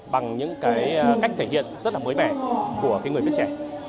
bằng những cách thể hiện rất là mới mẻ của người biết trẻ